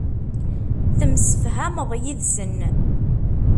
Temsefhameḍ yid-sen.